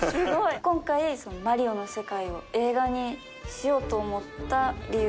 今回『マリオ』の世界を映画にしようと思った理由とかは？